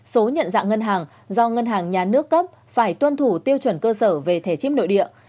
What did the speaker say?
số nhận dạng ngân hàng do ngân hàng nhà nước cấp phải tuân thủ tiêu chuẩn cơ sở về thẻ chip nội địa